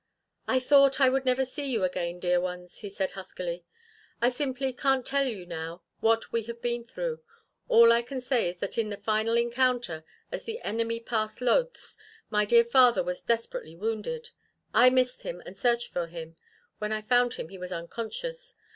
"I thought I would never see you again, dear ones," he said huskily. "I simply can't tell you now what we have been through. All I can say is that in the final encounter, as the enemy passed Lodz, my dear father was desperately wounded. I missed him, and searched for him. When I found him he was unconscious.